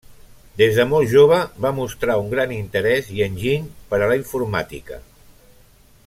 Des de molt jove va mostrar un gran interès i enginy per a la informàtica.